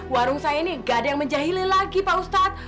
warung saya ini gak ada yang menjahili lagi pak ustadz